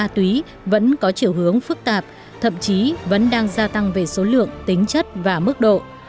ma túy vẫn có chiều hướng phức tạp thậm chí vẫn đang gia tăng về số lượng tính chất và mức độ